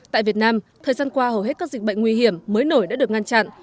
tại việt nam thời gian qua hầu hết các dịch bệnh nguy hiểm mới nổi đã được ngăn chặn